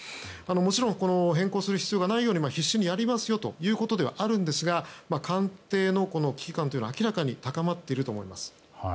もちろん変更する必要がないよう必死にやりますよということではありますが官邸の危機感は、明らかに高まっていると思います。